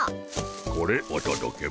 これおとどけモ。